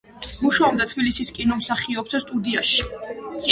მუშაობდა თბილისის კინომსახიობთა სტუდიაში.